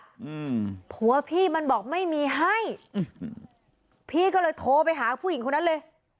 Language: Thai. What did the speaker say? อืมผัวพี่มันบอกไม่มีให้อืมพี่ก็เลยโทรไปหาผู้หญิงคนนั้นเลย